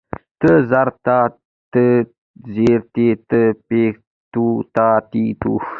ت زر تا، ت زېر تي، ت پېښ تو، تا تي تو